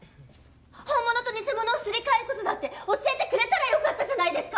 本物と偽物をすり替えることだって教えてくれたらよかったじゃないですか！